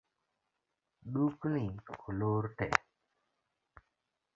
Dukni olor tee